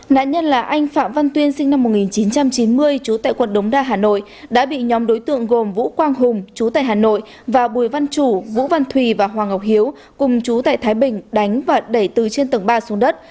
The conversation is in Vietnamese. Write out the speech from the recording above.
nạn nhân là anh phạm văn tuyên sinh năm một nghìn chín trăm chín mươi chú tại quận đống đa hà nội đã bị nhóm đối tượng gồm vũ quang hùng chú tại hà nội và bùi văn chủ vũ văn thùy và hoàng ngọc hiếu cùng chú tại thái bình đánh và đẩy từ trên tầng ba xuống đất